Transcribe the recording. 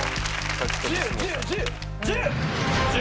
１０１０１０１０！